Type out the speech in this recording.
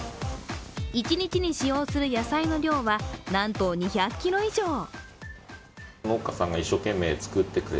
一日に使用する野菜の量はなんと２００ｋｇ以上。